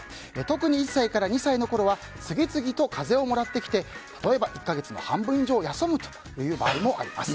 特に１歳から２歳のころは次々と風邪をもらってきて例えば１か月の半分以上休む場合もあります。